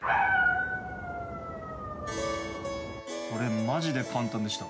これマジで簡単でした。